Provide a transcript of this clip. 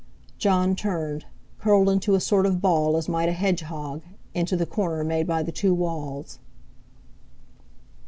Jon turned—curled into a sort of ball, as might a hedgehog—into the corner made by the two walls.